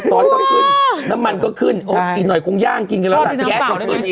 ซอสต้องขึ้นน้ำมันก็ขึ้นอีกหน่อยคงย่างกินกันแล้วล่ะแก๊กก็ขึ้นอีกอ้าว